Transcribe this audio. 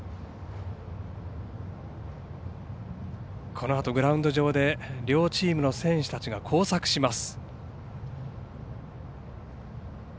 このあと、グラウンド上で両チームの選手たちが交錯します。